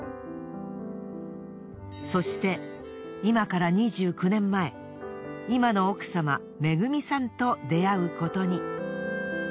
そして今から２９年前今の奥様恵さんと出会うことに。